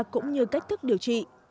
cũng như cách thức điều trị